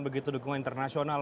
begitu dukungan internasional